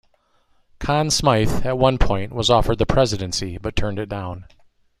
Conn Smythe, at one point, was offered the presidency, but turned it down.